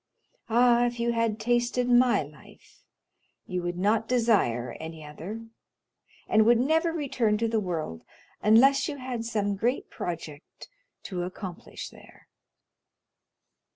Ah, if you had tasted my life, you would not desire any other, and would never return to the world unless you had some great project to accomplish there."